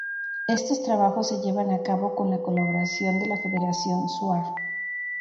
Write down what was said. Estos trabajos se llevan a cabo con la colaboración de la Federación Shuar.